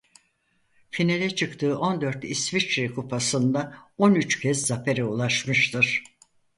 Finale çıktığı on dört İsviçre Kupası'nda on üç kez zafere ulaşmıştır.